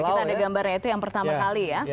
kita ada gambarnya itu yang pertama kali ya